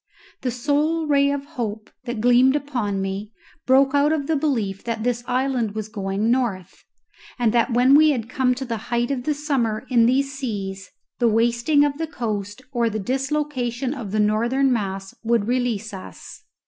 The sole ray of hope that gleamed upon me broke out of the belief that this island was going north, and that when we had come to the height of the summer in these seas, the wasting of the coast or the dislocation of the northern mass would release us.